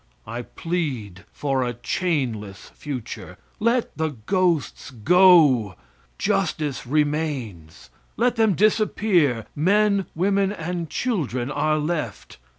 I plead for a chainless future. Let the ghosts go justice remains. Let them disappear men, women and children are left.